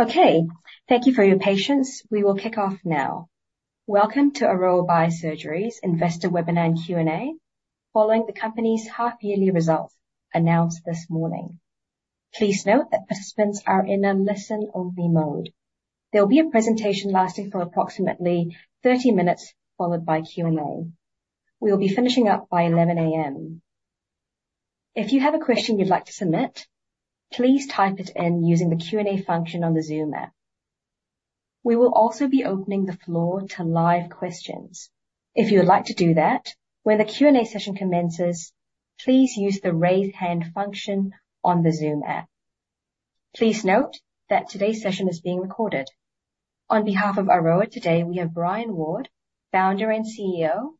Okay, thank you for your patience. We will kick off now. Welcome to Aroa Biosurgery's Investor Webinar and Q&A, following the company's half-yearly results announced this morning. Please note that participants are in a listen-only mode. There will be a presentation lasting for approximately 30 minutes, followed by Q&A. We will be finishing up by 11 A.M. If you have a question you'd like to submit, please type it in using the Q&A function on the Zoom app. We will also be opening the floor to live questions. If you would like to do that, when the Q&A session commences, please use the Raise Hand function on the Zoom app. Please note that today's session is being recorded. On behalf of Aroa today, we have Brian Ward, Founder and CEO,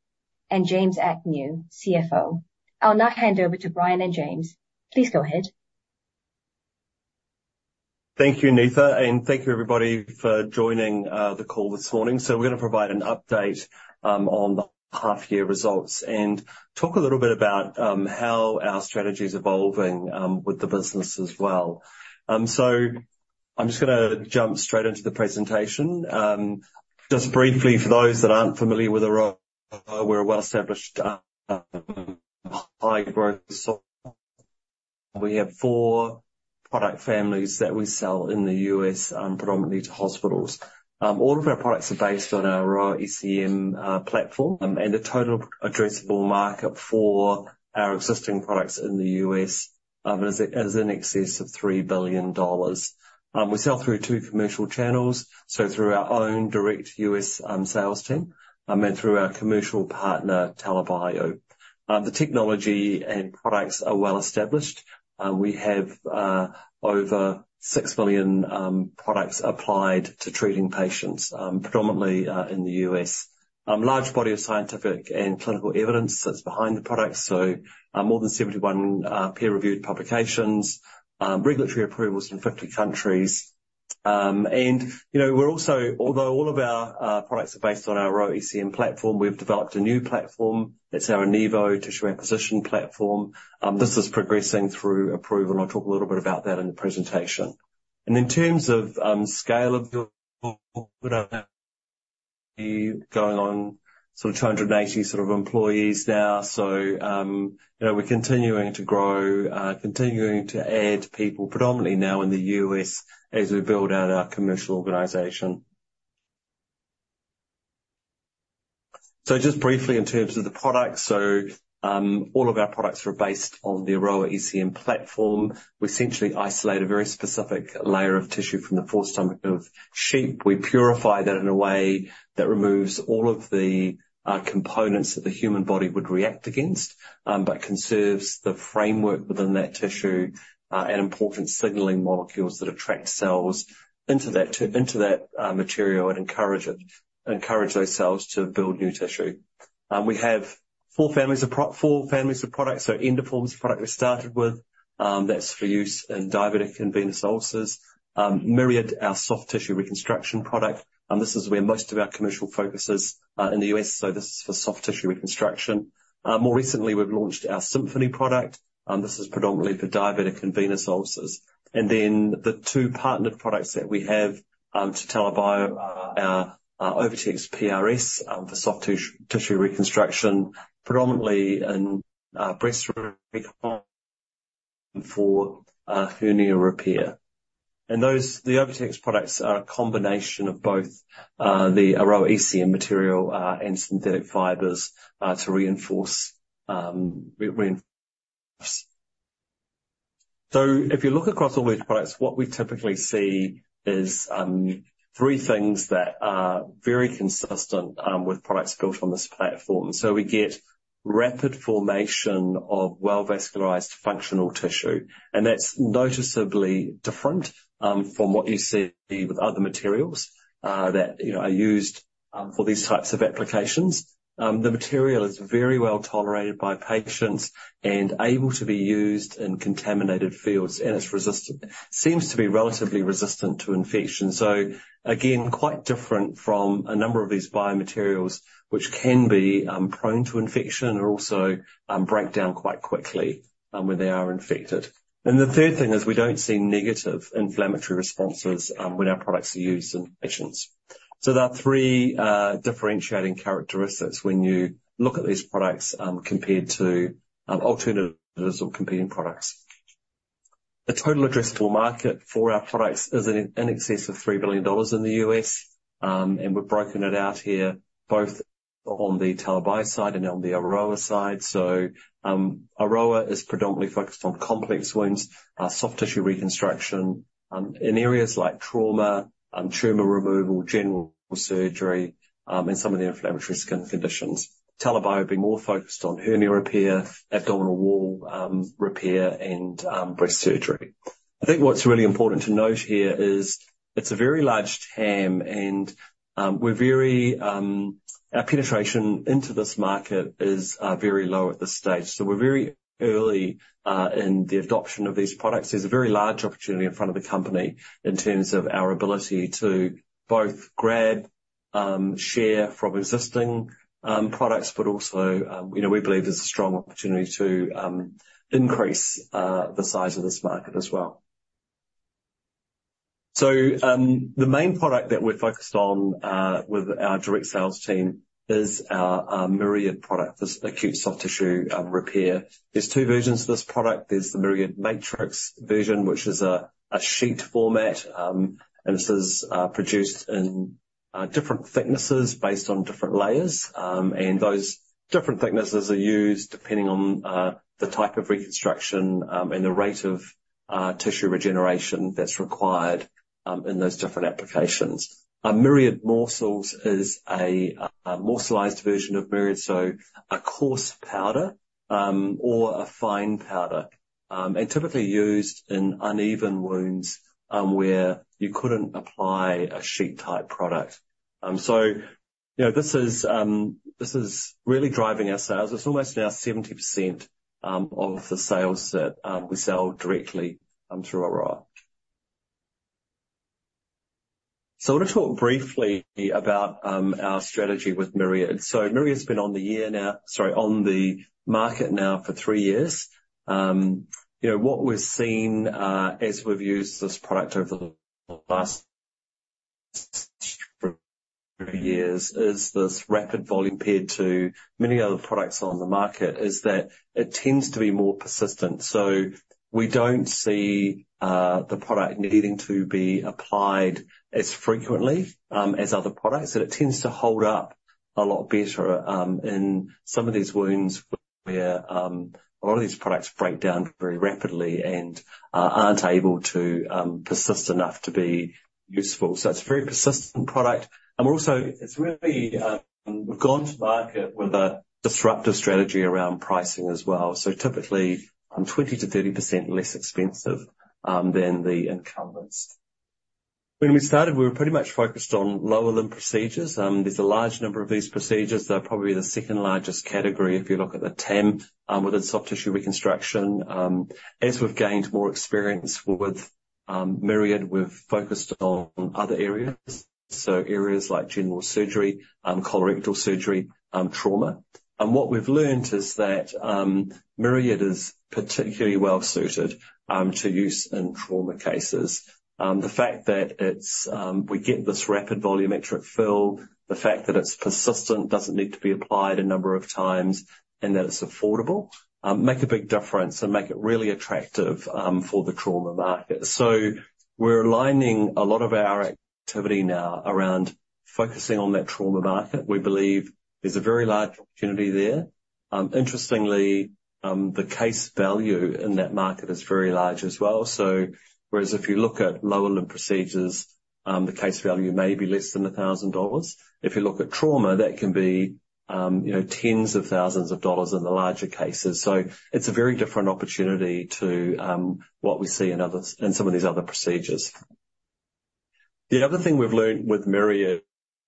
and James Agnew, CFO. I'll now hand over to Brian and James. Please go ahead. Thank you, Neetha, and thank you, everybody, for joining the call this morning. So we're gonna provide an update on the half-year results, and talk a little bit about how our strategy is evolving with the business as well. So I'm just gonna jump straight into the presentation. Just briefly, for those that aren't familiar with Aroa, we're a well-established high-growth soft-tissue company. We have four product families that we sell in the U.S., predominantly to hospitals. All of our products are based on our Aroa ECM platform, and the total addressable market for our existing products in the U.S. is in excess of $3 billion. We sell through two commercial channels, so through our own direct U.S. sales team and through our commercial partner, TELA Bio. The technology and products are well-established. We have over 6 million products applied to treating patients, predominantly in the U.S. Large body of scientific and clinical evidence sits behind the product, so more than 71 peer-reviewed publications, regulatory approvals in 50 countries. You know, we're also—although all of our products are based on our Aroa ECM platform, we've developed a new platform. That's our Enivo tissue apposition platform. This is progressing through approval, and I'll talk a little bit about that in the presentation. In terms of scale of the... going on, sort of, 280, sort of, employees now. You know, we're continuing to grow, continuing to add people, predominantly now in the U.S., as we build out our commercial organization. So just briefly, in terms of the products, all of our products are based on the Aroa ECM platform. We essentially isolate a very specific layer of tissue from the forestomach of sheep. We purify that in a way that removes all of the components that the human body would react against, but conserves the framework within that tissue, and important signaling molecules that attract cells into that material and encourage it, encourage those cells to build new tissue. We have four families of products. So Endoform is the product we started with. That's for use in diabetic and venous ulcers. Myriad, our soft tissue reconstruction product, and this is where most of our commercial focus is, in the U.S., so this is for soft tissue reconstruction. More recently, we've launched our Symphony product. This is predominantly for diabetic and venous ulcers. And then the two partnered products that we have to TELA Bio are OviTex PRS for soft tissue reconstruction, predominantly in breast recon for hernia repair. And those, the OviTex products are a combination of both the Aroa ECM material and synthetic fibers to reinforce. So if you look across all these products, what we typically see is three things that are very consistent with products built on this platform. So we get rapid formation of well-vascularized functional tissue, and that's noticeably different from what you see with other materials that you know are used for these types of applications. The material is very well-tolerated by patients and able to be used in contaminated fields, and it's resistant, seems to be relatively resistant to infection. So again, quite different from a number of these biomaterials, which can be, prone to infection or also, break down quite quickly, when they are infected. And the third thing is we don't see negative inflammatory responses, when our products are used in patients. So there are three, differentiating characteristics when you look at these products, compared to, alternatives or competing products. The total addressable market for our products is in excess of $3 billion in the U.S., and we've broken it out here, both on the TELA Bio side and on the Aroa side. So, Aroa is predominantly focused on complex wounds, soft tissue reconstruction, in areas like trauma, tumor removal, general surgery, and some of the inflammatory skin conditions. TELA Bio will be more focused on hernia repair, abdominal wall, repair, and, breast surgery. I think what's really important to note here is it's a very large TAM, and, we're very... Our penetration into this market is, very low at this stage, so we're very early, in the adoption of these products. There's a very large opportunity in front of the company in terms of our ability to both share from existing, products, but also, you know, we believe there's a strong opportunity to, increase, the size of this market as well. So, the main product that we're focused on with our direct sales team is our Myriad product, this acute soft tissue repair. There's two versions of this product. There's the Myriad Matrix version, which is a sheet format, and this is produced in different thicknesses based on different layers. And those different thicknesses are used depending on the type of reconstruction and the rate of tissue regeneration that's required in those different applications. Our Myriad Morcells is a morselized version of Myriad, so a coarse powder or a fine powder, and typically used in uneven wounds where you couldn't apply a sheet-type product. So you know, this is really driving our sales. It's almost now 70% of the sales that we sell directly through Aroa. So I want to talk briefly about our strategy with Myriad. So Myriad's been on the year now, sorry, on the market now for three years. You know, what we've seen as we've used this product over the last three years is this rapid volume compared to many other products on the market, is that it tends to be more persistent. So we don't see the product needing to be applied as frequently as other products, and it tends to hold up a lot better in some of these wounds where a lot of these products break down very rapidly and aren't able to persist enough to be useful. So it's a very persistent product. And also, it's really we've gone to market with a disruptive strategy around pricing as well. Typically, I'm 20%-30% less expensive than the incumbents. When we started, we were pretty much focused on lower limb procedures. There's a large number of these procedures. They're probably the second-largest category if you look at the ten within soft tissue reconstruction. As we've gained more experience with Myriad, we've focused on other areas, so areas like general surgery, colorectal surgery, trauma. And what we've learned is that Myriad is particularly well-suited to use in trauma cases. The fact that it's we get this rapid volumetric fill, the fact that it's persistent, doesn't need to be applied a number of times, and that it's affordable make a big difference and make it really attractive for the trauma market. So we're aligning a lot of our activity now around focusing on that trauma market. We believe there's a very large opportunity there. Interestingly, the case value in that market is very large as well. So whereas if you look at lower limb procedures, the case value may be less than $1,000. If you look at trauma, that can be, you know, tens of thousands of dollars in the larger cases. So it's a very different opportunity to, what we see in others, in some of these other procedures. The other thing we've learned with Myriad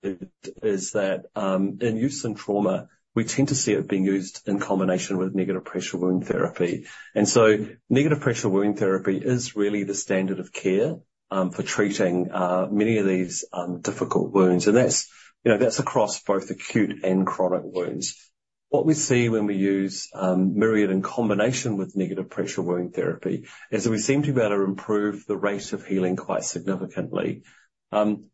is that, in use in trauma, we tend to see it being used in combination with negative pressure wound therapy. And so negative pressure wound therapy is really the standard of care, for treating, many of these, difficult wounds. And that's, you know, that's across both acute and chronic wounds. What we see when we use Myriad in combination with negative pressure wound therapy is we seem to be able to improve the rate of healing quite significantly.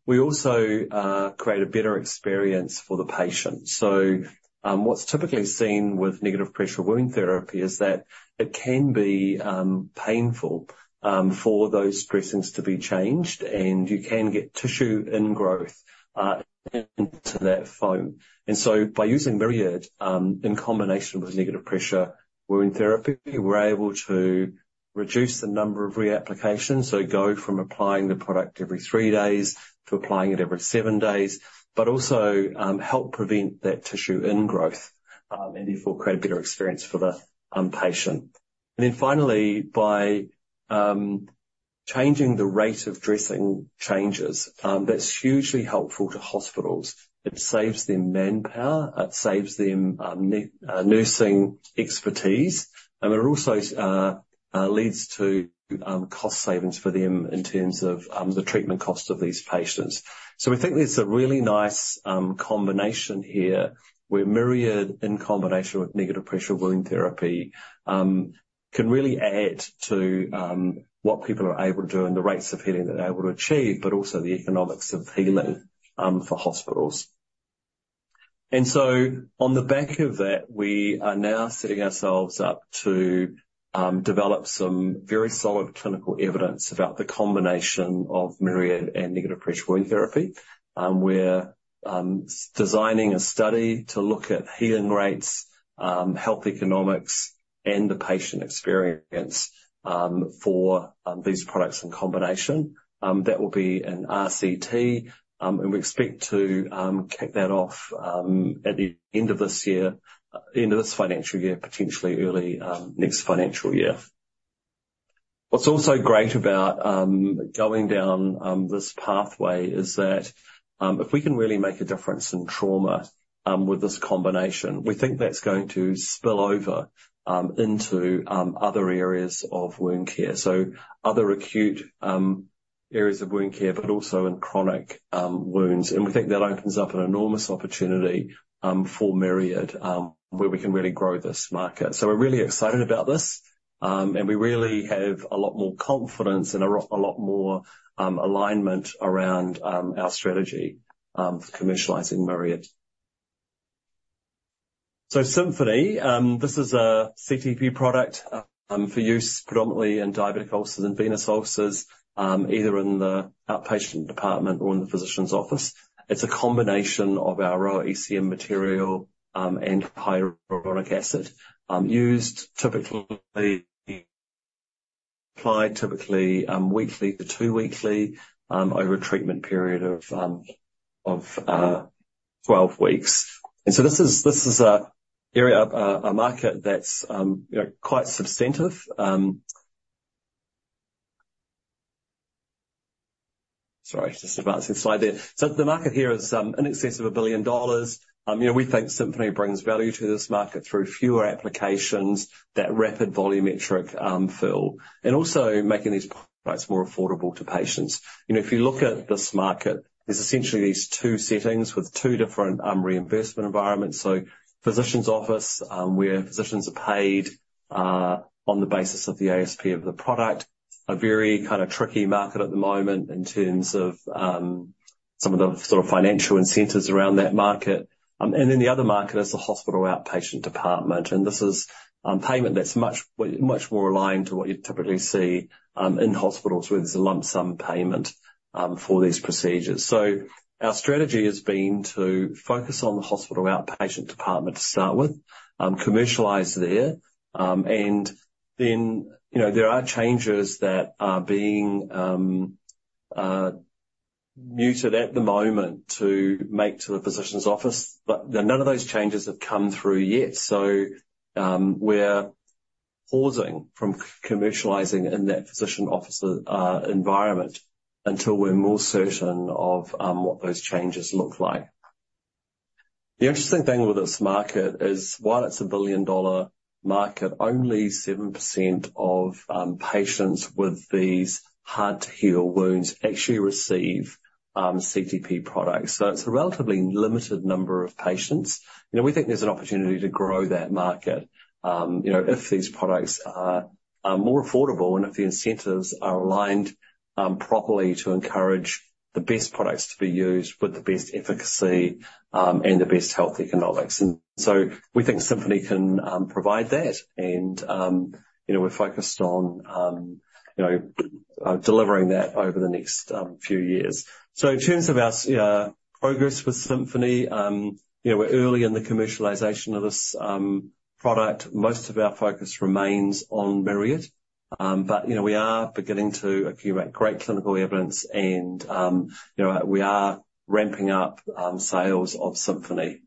We also create a better experience for the patient. So, what's typically seen with negative pressure wound therapy is that it can be painful for those dressings to be changed, and you can get tissue ingrowth into that foam. And so by using Myriad in combination with negative pressure wound therapy, we're able to reduce the number of reapplications. So go from applying the product every three days to applying it every seven days, but also help prevent that tissue ingrowth and therefore create a better experience for the patient. And then finally, by changing the rate of dressing changes, that's hugely helpful to hospitals. It saves them manpower, it saves them nursing expertise, and it also leads to cost savings for them in terms of the treatment cost of these patients. So we think there's a really nice combination here, where Myriad in combination with negative pressure wound therapy can really add to what people are able to do and the rates of healing they're able to achieve, but also the economics of healing for hospitals. And so on the back of that, we are now setting ourselves up to develop some very solid clinical evidence about the combination of Myriad and negative pressure wound therapy. We're designing a study to look at healing rates, health economics, and the patient experience for these products in combination. That will be an RCT, and we expect to kick that off at the end of this year, end of this financial year, potentially early next financial year. What's also great about going down this pathway is that if we can really make a difference in trauma with this combination, we think that's going to spill over into other areas of wound care, so other acute areas of wound care, but also in chronic wounds. We think that opens up an enormous opportunity for Myriad, where we can really grow this market. We're really excited about this, and we really have a lot more confidence and a lot more alignment around our strategy commercializing Myriad. So Symphony, this is a CTP product, for use predominantly in diabetic ulcers and venous ulcers, either in the outpatient department or in the physician's office. It's a combination of our ECM material, and hyaluronic acid. Used typically, applied typically, weekly to two-weekly, over a treatment period of 12 weeks. And so this is, this is an area, a market that's, you know, quite substantive. Sorry, just advancing the slide there. So the market here is in excess of $1 billion. You know, we think Symphony brings value to this market through fewer applications, that rapid volumetric fill, and also making these products more affordable to patients. You know, if you look at this market, there's essentially these two settings with two different reimbursement environments. So physician's office, where physicians are paid on the basis of the ASP of the product. A very kind of tricky market at the moment in terms of some of the sort of financial incentives around that market. And then the other market is the hospital outpatient department, and this is payment that's much, much more aligned to what you'd typically see in hospitals, where there's a lump sum payment for these procedures. So our strategy has been to focus on the hospital outpatient department to start with, commercialize there, and then, you know, there are changes that are being mooted at the moment to make to the physician's office, but none of those changes have come through yet. So, we're pausing from commercializing in that physician office environment, until we're more certain of what those changes look like. The interesting thing with this market is, while it's a billion-dollar market, only 7% of patients with these hard-to-heal wounds actually receive CTP products. So it's a relatively limited number of patients. You know, we think there's an opportunity to grow that market, you know, if these products are more affordable, and if the incentives are aligned properly to encourage the best products to be used with the best efficacy and the best health economics. And so we think Symphony can provide that, and you know, we're focused on you know, delivering that over the next few years. So in terms of our progress with Symphony, you know, we're early in the commercialization of this product. Most of our focus remains on Myriad. But, you know, we are beginning to accumulate great clinical evidence and, you know, we are ramping up sales of Symphony.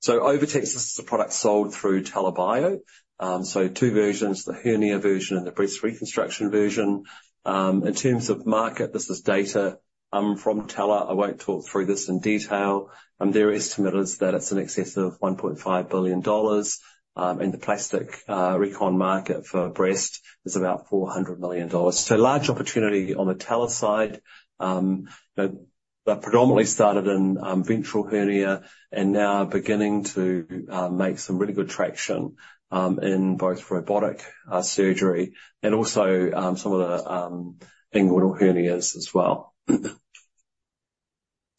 So OviTex, this is a product sold through TELA Bio. So two versions, the hernia version and the breast reconstruction version. In terms of market, this is data from TELA. I won't talk through this in detail. Their estimate is that it's in excess of $1.5 billion, and the plastic recon market for breast is about $400 million. So large opportunity on the TELA side, but predominantly started in ventral hernia and now beginning to make some really good traction in both robotic surgery and also some of the inguinal hernias as well.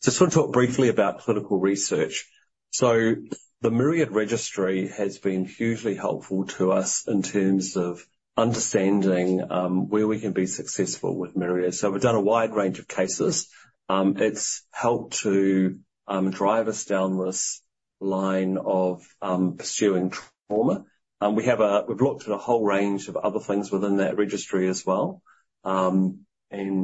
Just want to talk briefly about clinical research. So the Myriad registry has been hugely helpful to us in terms of understanding where we can be successful with Myriad. So we've done a wide range of cases. It's helped to drive us down this line of pursuing trauma. We've looked at a whole range of other things within that registry as well, and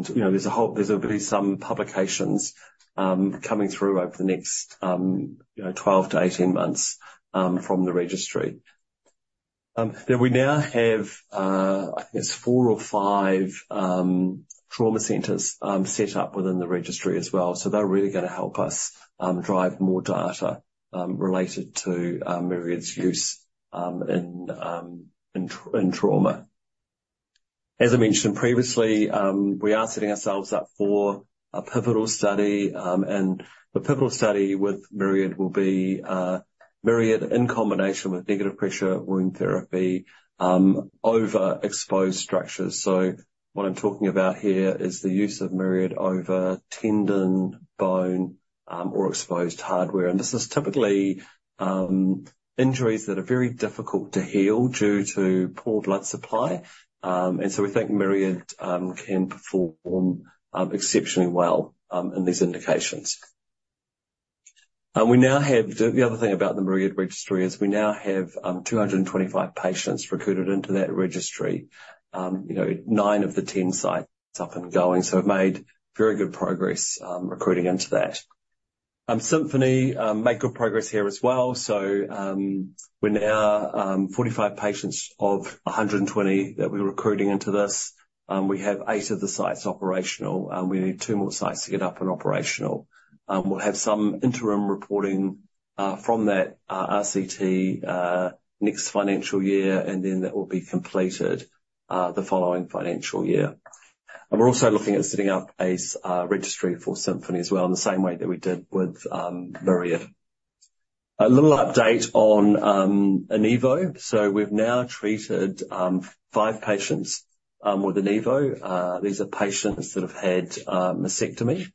you know, there's going to be some publications coming through over the next, you know, 12-18 months from the registry. We now have, I think it's four or five, trauma centers set up within the registry as well, so they're really gonna help us drive more data related to Myriad's use in trauma. As I mentioned previously, we are setting ourselves up for a pivotal study, and the pivotal study with Myriad will be Myriad in combination with negative pressure wound therapy over exposed structures. So what I'm talking about here is the use of Myriad over tendon, bone, or exposed hardware. And this is typically injuries that are very difficult to heal due to poor blood supply. And so we think Myriad can perform exceptionally well in these indications. The other thing about the Myriad registry is we now have 225 patients recruited into that registry. You know, nine of the 10 sites up and going, so we've made very good progress recruiting into that. Symphony made good progress here as well. So, we're now 45 patients of 120 that we're recruiting into this. We have eight of the sites operational, and we need two more sites to get up and operational. We'll have some interim reporting from that RCT next financial year, and then that will be completed the following financial year. And we're also looking at setting up a registry for Symphony as well, in the same way that we did with Myriad. A little update on Enivo. So we've now treated five patients with Enivo. These are patients that have had mastectomy,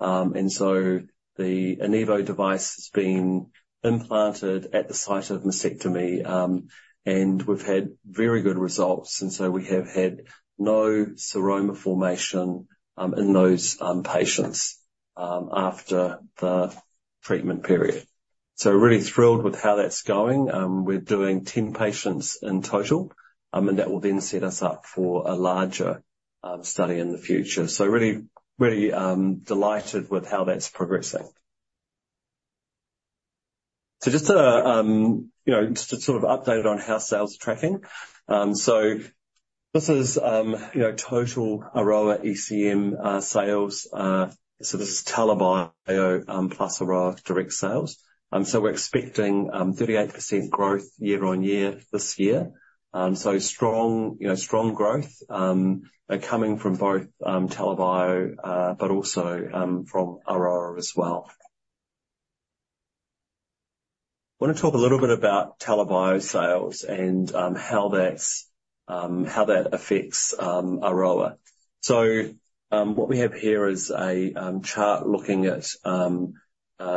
and so the Enivo device has been implanted at the site of mastectomy, and we've had very good results. And so we have had no seroma formation in those patients after the treatment period. So really thrilled with how that's going. We're doing 10 patients in total, and that will then set us up for a larger study in the future. So really, really delighted with how that's progressing. So just to, you know, just to sort of update on how sales are tracking. So this is, you know, total Aroa ECM sales. So this is TELA Bio plus Aroa's direct sales. So we're expecting 38% growth year-on-year this year. So strong, you know, strong growth, coming from both, TELA Bio, but also, from Aroa as well. I want to talk a little bit about TELA Bio sales, and, how that's, how that affects, Aroa. So, what we have here is a, chart looking at,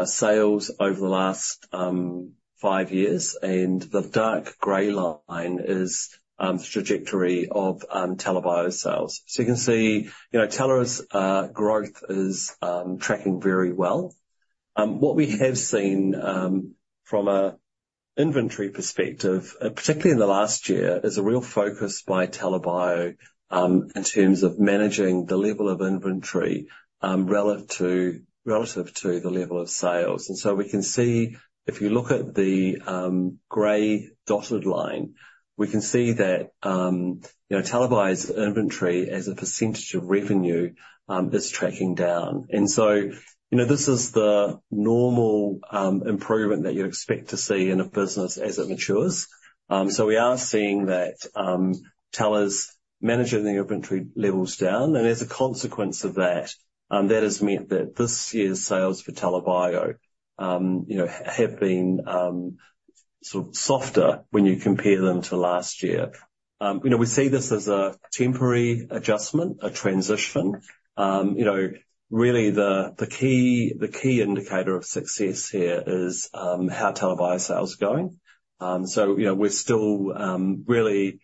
sales over the last five years, and the dark gray line is, the trajectory of, TELA Bio sales. So you can see, you know, TELA's, growth is, tracking very well. What we have seen, from an inventory perspective, particularly in the last year, is a real focus by TELA Bio, in terms of managing the level of inventory, relative to, relative to the level of sales. So we can see, if you look at the, gray dotted line, we can see that, you know, TELA Bio's inventory as a percentage of revenue, is tracking down. So, you know, this is the normal, improvement that you'd expect to see in a business as it matures. So we are seeing that, TELA Bio's managing the inventory levels down, and as a consequence of that, that has meant that this year's sales for TELA Bio, you know, have been, sort of softer when you compare them to last year. You know, we see this as a temporary adjustment, a transition. You know, really the, the key, the key indicator of success here is, how TELA Bio sales are going. So, you know, we're still really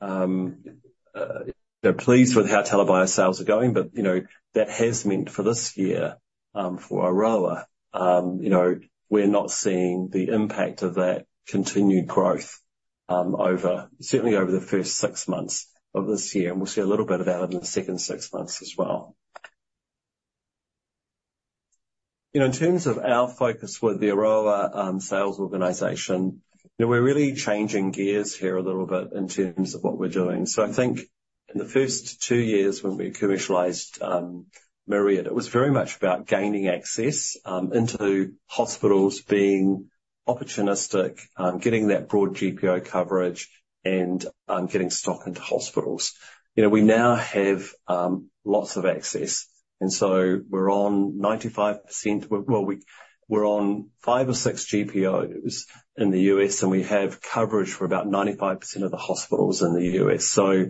pleased with how TELA Bio sales are going, but, you know, that has meant for this year, for Aroa, you know, we're not seeing the impact of that continued growth, over certainly over the first six months of this year, and we'll see a little bit of that in the second six months as well. You know, in terms of our focus with the Aroa sales organization, we're really changing gears here a little bit in terms of what we're doing. So I think in the first two years, when we commercialized Myriad, it was very much about gaining access into hospitals, being opportunistic, getting that broad GPO coverage, and getting stock into hospitals. You know, we now have lots of access, and so we're on 95%. Well, we're on five or six GPOs in the U.S., and we have coverage for about 95% of the hospitals in the U.S. So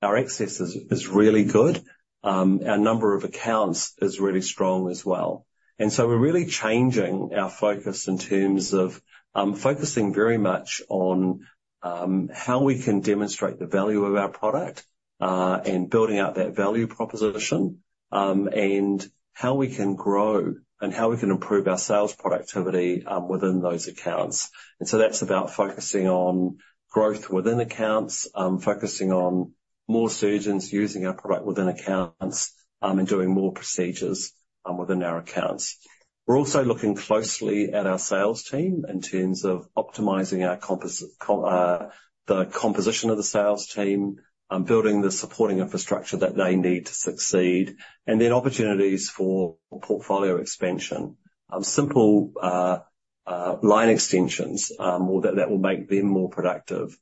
our access is really good. Our number of accounts is really strong as well. And so we're really changing our focus in terms of focusing very much on how we can demonstrate the value of our product, and building out that value proposition, and how we can grow and how we can improve our sales productivity within those accounts. And so that's about focusing on growth within accounts, focusing on more surgeons using our product within accounts, and doing more procedures within our accounts. We're also looking closely at our sales team in terms of optimizing our compos... The composition of the sales team, building the supporting infrastructure that they need to succeed, and then opportunities for portfolio expansion. Simple line extensions that will make them more productive in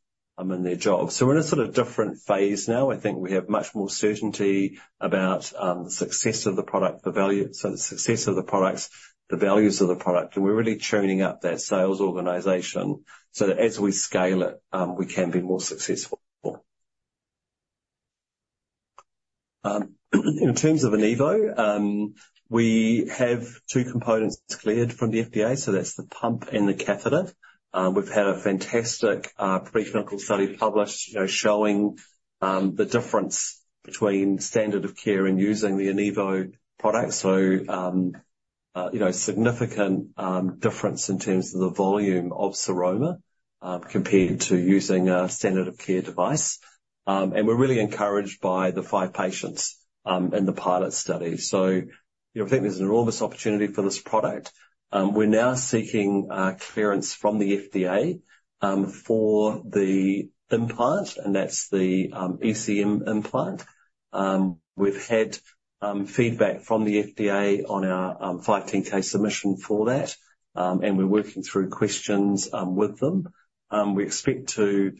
their jobs. So we're in a sort of different phase now. I think we have much more certainty about the success of the product, the value, so the success of the products, the values of the product, and we're really tuning up that sales organization so that as we scale it, we can be more successful. In terms of Enivo, we have two components cleared from the FDA, so that's the pump and the catheter. We've had a fantastic pre-clinical study published, you know, showing the difference between standard of care and using the Enivo product. So, you know, significant difference in terms of the volume of seroma, compared to using a standard of care device. And we're really encouraged by the five patients in the pilot study. So you know, I think there's an enormous opportunity for this product. We're now seeking clearance from the FDA for the implant, and that's the ECM implant. We've had feedback from the FDA on our 510(k) submission for that, and we're working through questions with them. We expect to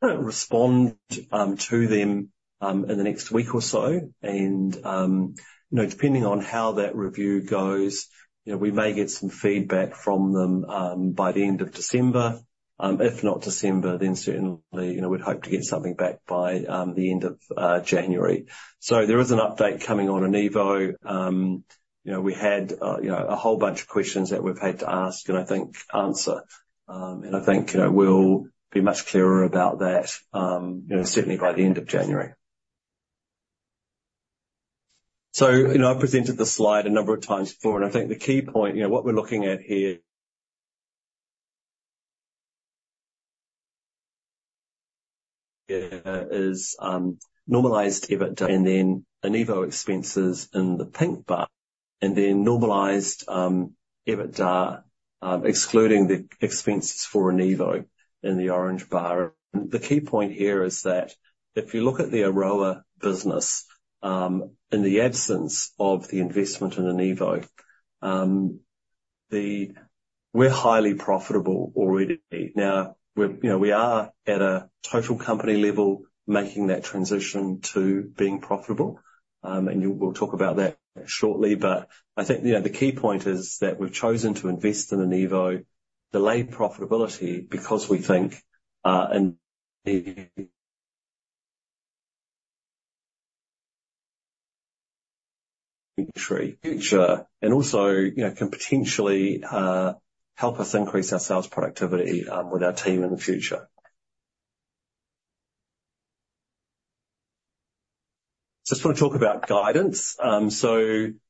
kind of respond to them in the next week or so. And, you know, depending on how that review goes, you know, we may get some feedback from them by the end of December. If not December, then certainly, you know, we'd hope to get something back by the end of January. So there is an update coming on Enivo. You know, we had, you know, a whole bunch of questions that we've had to ask and I think answer, and I think, you know, we'll be much clearer about that, you know, certainly by the end of January. So, you know, I presented this slide a number of times before, and I think the key point, you know, what we're looking at here is, normalized EBITDA, and then Enivo expenses in the pink bar, and then normalized, EBITDA, excluding the expenses for Enivo in the orange bar. The key point here is that if you look at the Aroa business, in the absence of the investment in Enivo, we're highly profitable already. Now, we're, you know, we are at a total company level, making that transition to being profitable, and we'll talk about that shortly. But I think, you know, the key point is that we've chosen to invest in Enivo, delay profitability, because we think, in the future, and also, you know, can potentially, help us increase our sales productivity, with our team in the future. Just want to talk about guidance. So, you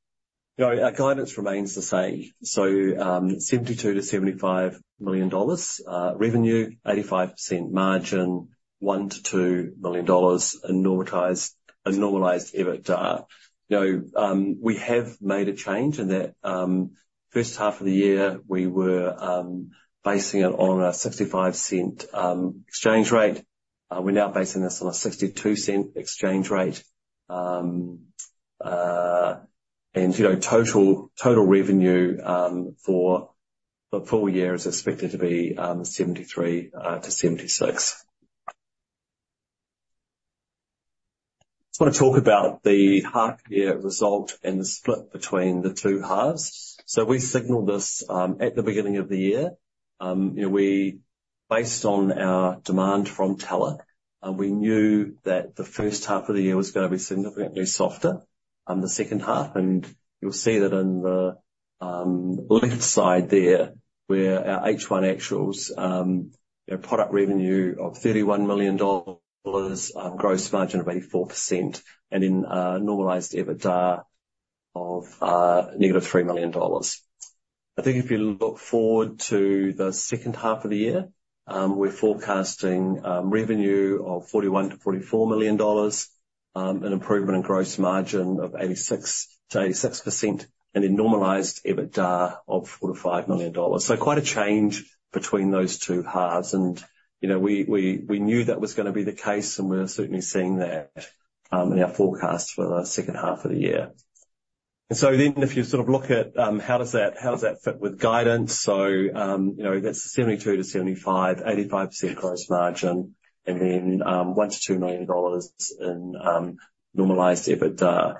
know, our guidance remains the same. So, $72 million-$75 million revenue, 85% margin, $1 million-$2 million in normalized EBITDA. You know, we have made a change in that first half of the year, we were basing it on a 0.65 exchange rate. We're now basing this on a 0.62 exchange rate. You know, total revenue for the full year is expected to be 73 million-76 million. Just want to talk about the half year result and the split between the two halves. So we signaled this at the beginning of the year. You know, we, based on our demand from TELA, and we knew that the first half of the year was going to be significantly softer than the second half, and you'll see that in the, left side there, where our H1 actuals, you know, product revenue of $31 million, gross margin of 84%, and then, normalized EBITDA of, -$3 million. I think if you look forward to the second half of the year, we're forecasting, revenue of $41 million-$44 million, an improvement in gross margin of 86%-86%, and a normalized EBITDA of $4 million-$5 million. So quite a change between those two halves, and, you know, we knew that was going to be the case, and we're certainly seeing that in our forecast for the second half of the year. So then if you sort of look at how does that fit with guidance? So, you know, that's 72-75, 85% gross margin, and then $1 million-$2 million in normalized EBITDA.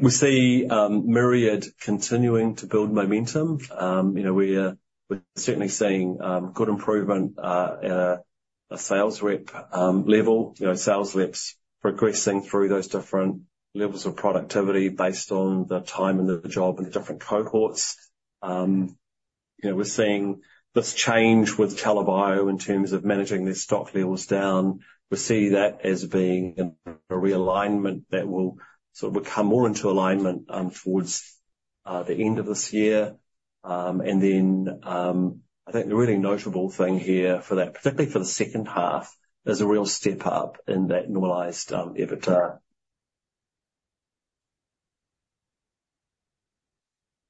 We see Myriad continuing to build momentum. You know, we're certainly seeing good improvement at a sales rep level. You know, sales reps progressing through those different levels of productivity based on the time and the job and the different cohorts. You know, we're seeing this change with TELA Bio in terms of managing their stock levels down. We see that as being a realignment that will sort of come more into alignment, towards the end of this year. And then, I think the really notable thing here for that, particularly for the second half, is a real step up in that normalized EBITDA.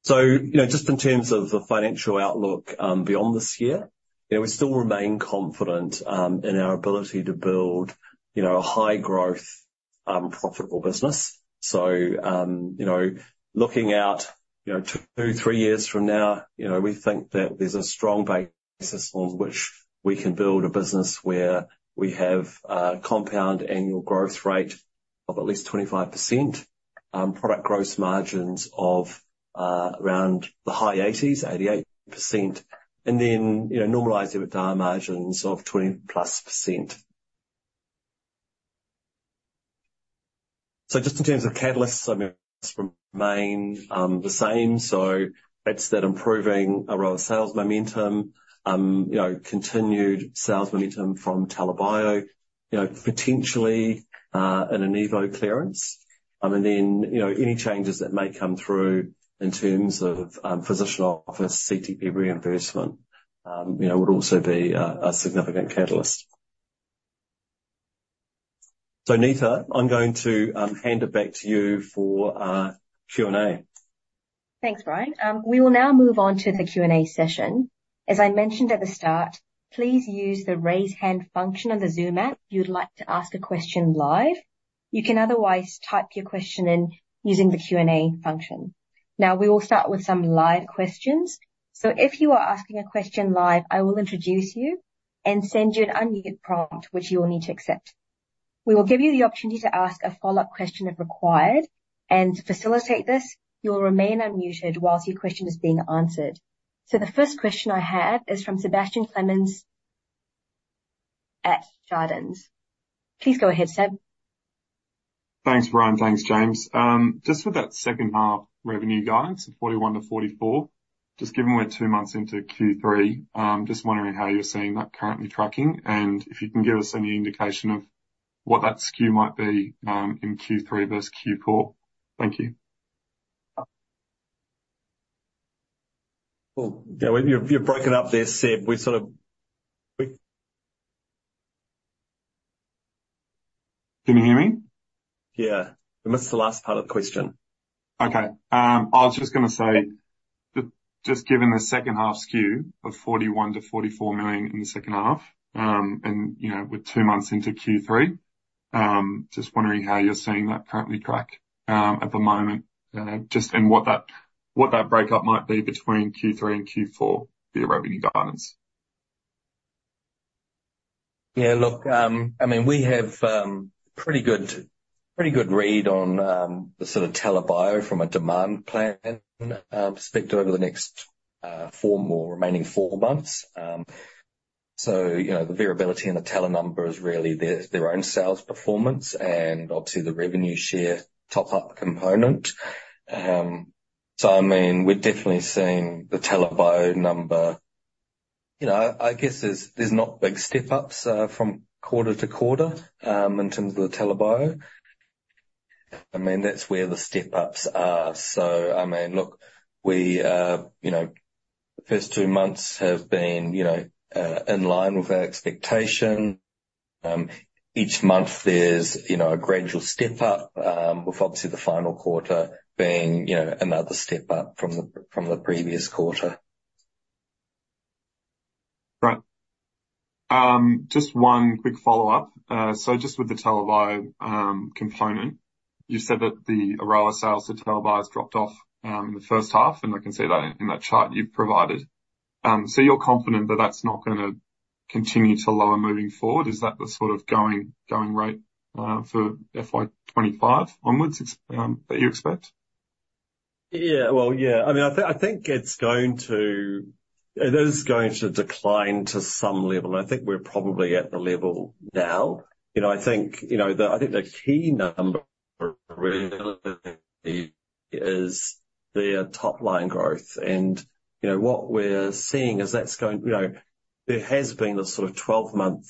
So, you know, just in terms of the financial outlook, beyond this year, you know, we still remain confident, in our ability to build, you know, a high-growth, profitable business. So, you know, looking out, you know, two, three years from now, you know, we think that there's a strong basis on which we can build a business where we have a compound annual growth rate of at least 25%, product gross margins of around the high 80s, 88%, and then, you know, normalized EBITDA margins of 20+%. So just in terms of catalysts, I mean, remain the same. So it's that improving Aroa sales momentum, you know, continued sales momentum from TELA Bio, you know, potentially an Enivo clearance. And then, you know, any changes that may come through in terms of physician office, CTP reimbursement, you know, would also be a significant catalyst. So Neetha, I'm going to hand it back to you for our Q&A. Thanks, Brian. We will now move on to the Q&A session. As I mentioned at the start, please use the Raise Hand function on the Zoom app if you'd like to ask a question live. You can otherwise type your question in using the Q&A function. Now, we will start with some live questions. So if you are asking a question live, I will introduce you and send you an unmute prompt, which you will need to accept. We will give you the opportunity to ask a follow-up question if required, and to facilitate this, you will remain unmuted whilst your question is being answered. So the first question I have is from Sebastian Clemens at Jarden. Please go ahead, Seb. Thanks, Brian. Thanks, James. Just for that second half revenue guidance of 41-44, just given we're two months into Q3, I'm just wondering how you're seeing that currently tracking, and if you can give us any indication of what that split might be, in Q3 versus Q4. Thank you. Well, yeah, you broken up there, Seb. We sort of- Can you hear me? Yeah. We missed the last part of the question. Okay, I was just gonna say that just given the second half SKU of $41 million-$44 million in the second half, and, you know, we're two months into Q3, just wondering how you're seeing that currently track, at the moment. Just and what that, what that breakup might be between Q3 and Q4, the revenue guidance. Yeah, look, I mean, we have pretty good, pretty good read on the sort of TELA Bio from a demand plan perspective over the next four more remaining four months. So, you know, the variability in the TELA number is really their own sales performance and obviously the revenue share top-up component. So I mean, we're definitely seeing the TELA Bio number... You know, I guess there's not big step ups from quarter to quarter in terms of the TELA Bio. I mean, that's where the step ups are. So, I mean, look, we, you know, the first two months have been, you know, in line with our expectation. Each month there's, you know, a gradual step up with obviously the final quarter being, you know, another step up from the previous quarter. Right. Just one quick follow-up. So just with the TELA Bio component, you said that the Aroa sales to TELA Bio has dropped off in the first half, and I can see that in that chart you've provided. So you're confident that that's not gonna continue to lower moving forward? Is that the sort of going rate for FY 2025 onwards, it's that you expect? Yeah. Well, yeah. I mean, I think, I think it's going to... It is going to decline to some level. I think we're probably at the level now. You know, I think, you know, the, I think the key number really is their top line growth. And, you know, what we're seeing is that's going... You know, there has been this sort of 12-month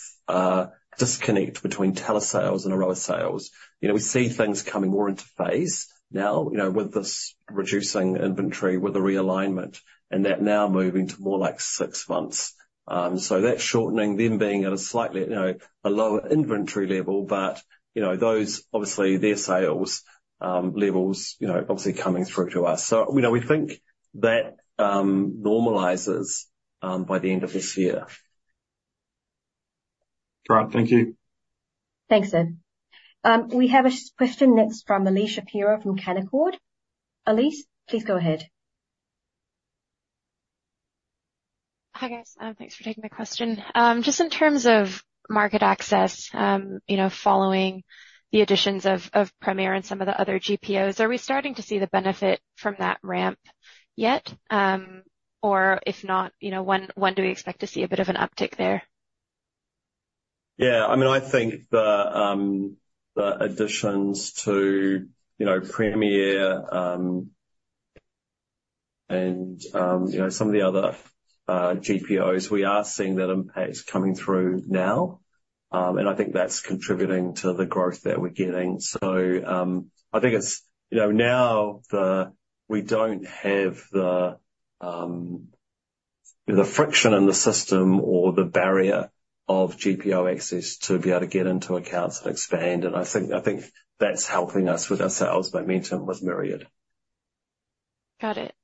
disconnect between TELA sales and Aroa sales. You know, we see things coming more into phase now, you know, with this reducing inventory, with the realignment, and that now moving to more like six months. So that's shortening, them being at a slightly, you know, a lower inventory level. But, you know, those obviously their sales levels, you know, obviously coming through to us. So, you know, we think that normalizes by the end of this year. Great. Thank you. Thanks, Seb. We have a question next from Elyse Shapiro from Canaccord. Elyse, please go ahead. Hi, guys. Thanks for taking my question. Just in terms of market access, you know, following the additions of Premier and some of the other GPOs, are we starting to see the benefit from that ramp yet? Or if not, you know, when do we expect to see a bit of an uptick there? Yeah, I mean, I think the additions to, you know, Premier, and, you know, some of the other GPOs, we are seeing that impact coming through now. And I think that's contributing to the growth that we're getting. So, I think it's, you know, now the, we don't have the friction in the system or the barrier of GPO access to be able to get into accounts and expand, and I think that's helping us with our sales momentum with Myriad. Got it.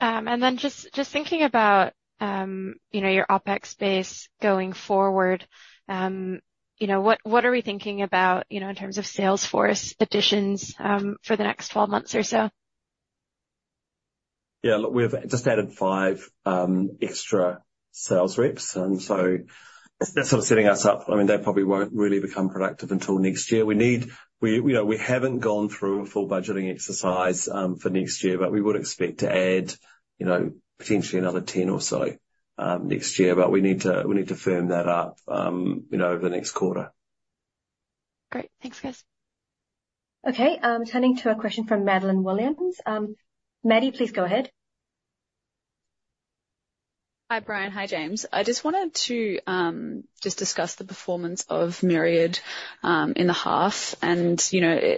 And then just thinking about, you know, your OpEx base going forward, you know, what are we thinking about, you know, in terms of sales force additions, for the next 12 months or so? Yeah, look, we've just added five extra sales reps, and so that's sort of setting us up. I mean, they probably won't really become productive until next year. We need. We, you know, we haven't gone through a full budgeting exercise for next year, but we would expect to add, you know, potentially another 10 or so next year. But we need to, we need to firm that up, you know, over the next quarter. Great. Thanks, guys. Okay, turning to a question from Madeleine Williams. Maddy, please go ahead. Hi, Brian. Hi, James. I just wanted to just discuss the performance of Myriad in the half, and, you know,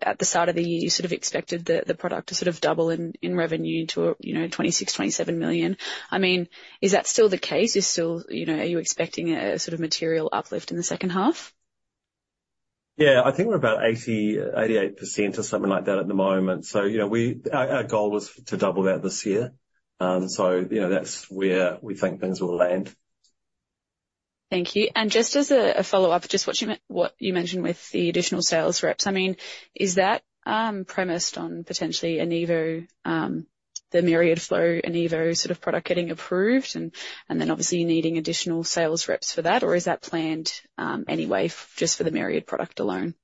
at the start of the year, you sort of expected the product to sort of double in revenue to, you know, 26 million-27 million. I mean, is that still the case? Is still... You know, are you expecting a sort of material uplift in the second half? ... Yeah, I think we're about 88% or something like that at the moment. So, you know, our goal is to double that this year. So, you know, that's where we think things will land. Thank you. And just as a follow-up, just what you mentioned with the additional sales reps, I mean, is that premised on potentially Enivo, the Myriad Flow, Enivo sort of product getting approved and then obviously you needing additional sales reps for that? Or is that planned anyway, just for the Myriad product alone?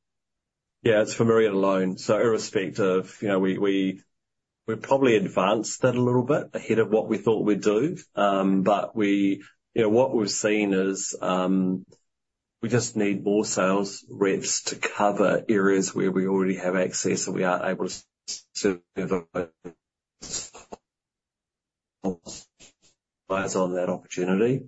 Yeah, it's for Myriad alone. So irrespective, you know, we probably advanced it a little bit ahead of what we thought we'd do. But we... You know, what we've seen is, we just need more sales reps to cover areas where we already have access, and we aren't able to survive on that opportunity.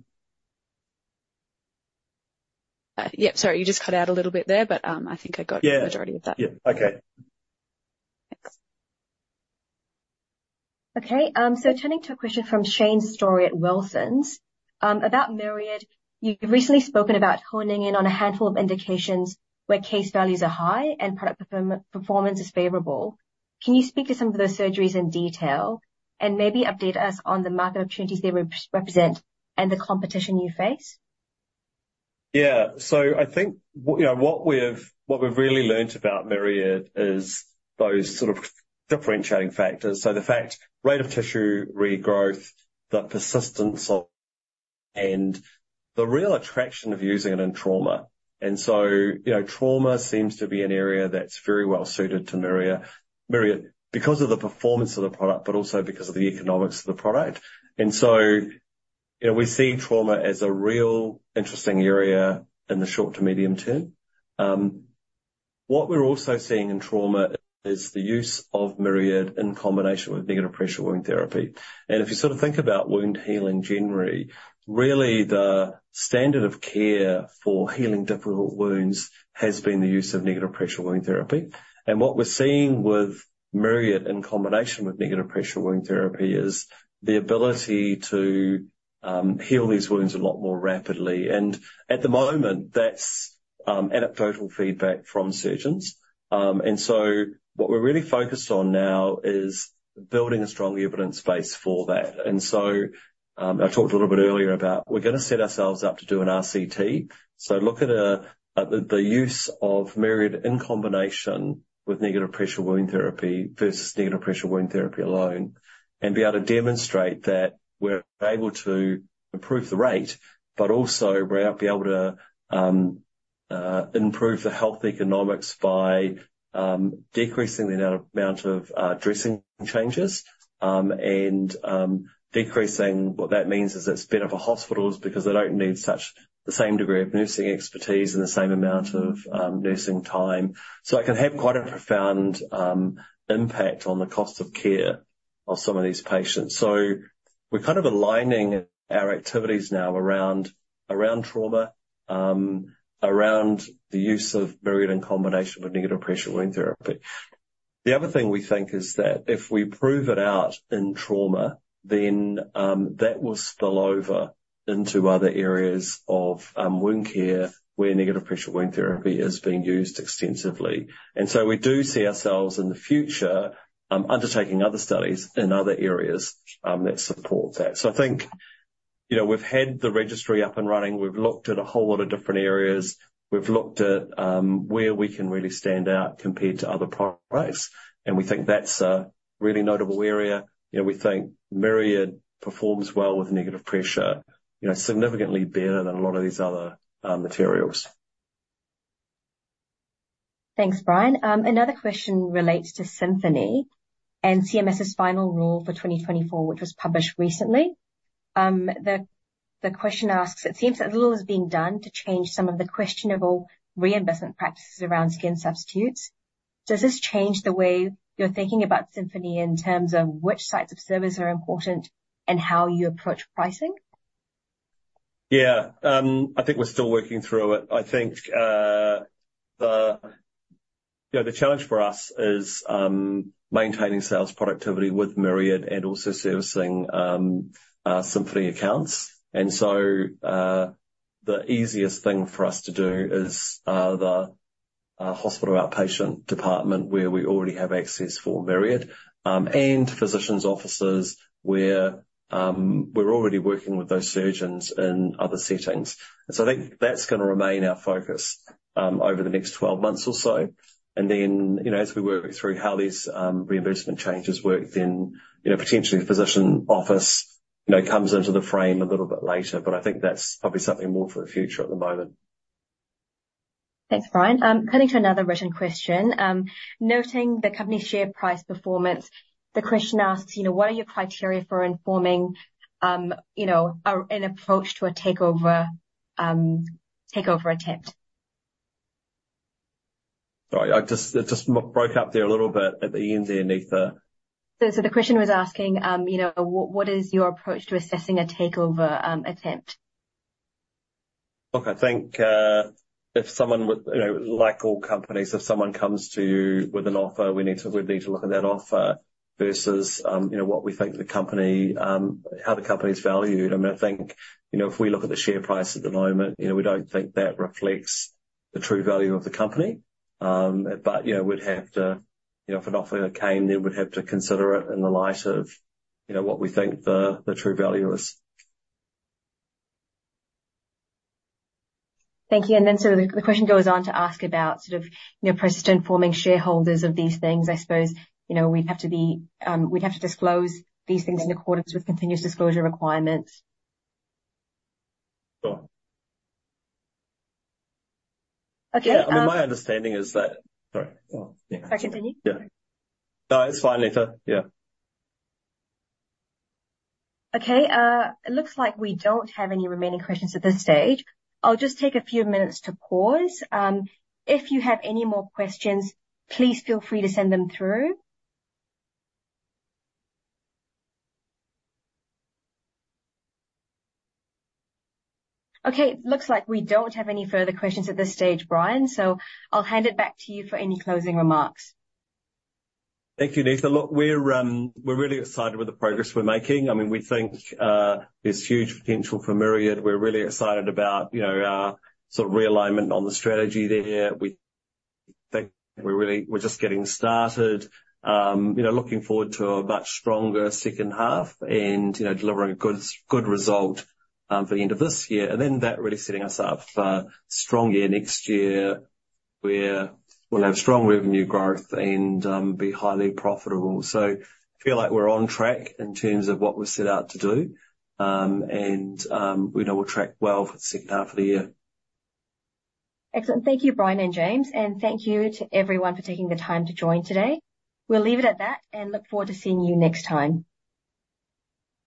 Yep, sorry, you just cut out a little bit there, but I think I got- Yeah. the majority of that. Yeah. Okay. Thanks. Okay, so turning to a question from Shane Storey at Wilsons. About Myriad, you've recently spoken about honing in on a handful of indications where case values are high and product performance is favorable. Can you speak to some of those surgeries in detail, and maybe update us on the market opportunities they represent and the competition you face? Yeah. So I think, what, you know, what we've, what we've really learned about Myriad is those sort of differentiating factors. So the fact, rate of tissue regrowth, the persistence of, and the real attraction of using it in trauma. And so, you know, trauma seems to be an area that's very well suited to Myriad, because of the performance of the product, but also because of the economics of the product. And so, you know, we see trauma as a real interesting area in the short-to-medium term. What we're also seeing in trauma is the use of Myriad in combination with negative pressure wound therapy. And if you sort of think about wound healing generally, really the standard of care for healing difficult wounds has been the use of negative pressure wound therapy. What we're seeing with Myriad, in combination with negative pressure wound therapy, is the ability to heal these wounds a lot more rapidly. At the moment, that's anecdotal feedback from surgeons. So what we're really focused on now is building a strong evidence base for that. I talked a little bit earlier about we're gonna set ourselves up to do an RCT. So look at the use of Myriad in combination with negative pressure wound therapy, versus negative pressure wound therapy alone, and be able to demonstrate that we're able to improve the rate, but also we're gonna be able to improve the health economics by decreasing the amount of dressing changes. Decreasing, what that means is it's better for hospitals because they don't need such the same degree of nursing expertise and the same amount of nursing time. So it can have quite a profound impact on the cost of care of some of these patients. So we're kind of aligning our activities now around trauma, around the use of Myriad in combination with negative pressure wound therapy. The other thing we think is that if we prove it out in trauma, then that will spill over into other areas of wound care, where negative pressure wound therapy is being used extensively. And so we do see ourselves, in the future, undertaking other studies in other areas that support that. So I think, you know, we've had the registry up and running. We've looked at a whole lot of different areas. We've looked at where we can really stand out compared to other products, and we think that's a really notable area. You know, we think Myriad performs well with negative pressure, you know, significantly better than a lot of these other materials. Thanks, Brian. Another question relates to Symphony and CMS's final rule for 2024, which was published recently. The question asks: It seems that little is being done to change some of the questionable reimbursement practices around skin substitutes. Does this change the way you're thinking about Symphony in terms of which sites of service are important and how you approach pricing? Yeah. I think we're still working through it. I think, you know, the challenge for us is maintaining sales productivity with Myriad and also servicing our Symphony accounts. And so, the easiest thing for us to do is the hospital outpatient department, where we already have access for Myriad, and physicians' offices, where we're already working with those surgeons in other settings. And so I think that's gonna remain our focus over the next 12 months or so. And then, you know, as we work through how these reimbursement changes work, then, you know, potentially physician office comes into the frame a little bit later, but I think that's probably something more for the future at the moment. Thanks, Brian. Cutting to another written question. Noting the company's share price performance, the question asks, you know, what are your criteria for informing, you know, an approach to a takeover, takeover attempt? Sorry, it just broke up there a little bit at the end there, Neetha. So the question was asking, you know, what is your approach to assessing a takeover attempt? Look, I think if someone with... You know, like all companies, if someone comes to you with an offer, we need to, we need to look at that offer... versus, you know, what we think the company, how the company is valued. I mean, I think, you know, if we look at the share price at the moment, you know, we don't think that reflects the true value of the company. But, you know, we'd have to, you know, if an offer came, then we'd have to consider it in the light of, you know, what we think the, the true value is. Thank you. And then so the question goes on to ask about sort of, you know, persistent forming shareholders of these things. I suppose, you know, we'd have to be, we'd have to disclose these things in accordance with continuous disclosure requirements. Sure. Okay, um- My understanding is that... Sorry. Should I continue? Yeah. No, it's fine, Neetha. Yeah. Okay, it looks like we don't have any remaining questions at this stage. I'll just take a few minutes to pause. If you have any more questions, please feel free to send them through. Okay, it looks like we don't have any further questions at this stage, Brian, so I'll hand it back to you for any closing remarks. Thank you, Neetha. Look, we're, we're really excited with the progress we're making. I mean, we think, there's huge potential for Myriad. We're really excited about, you know, our sort of realignment on the strategy there. We think we're really, we're just getting started. You know, looking forward to a much stronger second half and, you know, delivering a good, good result, for the end of this year. And then that really setting us up for a strong year next year, where we'll have strong revenue growth and, be highly profitable. So I feel like we're on track in terms of what we've set out to do. And, we know we'll track well for the second half of the year. Excellent. Thank you, Brian and James, and thank you to everyone for taking the time to join today. We'll leave it at that and look forward to seeing you next time.